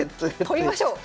取りましょう。